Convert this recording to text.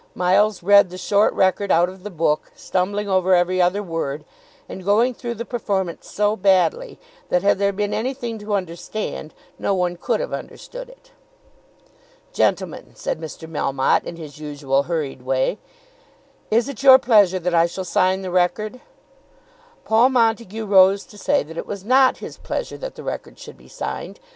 Miles read the short record out of the book, stumbling over every other word, and going through the performance so badly that had there been anything to understand no one could have understood it. "Gentlemen," said Mr. Melmotte, in his usual hurried way, "is it your pleasure that I shall sign the record?" Paul Montague rose to say that it was not his pleasure that the record should be signed.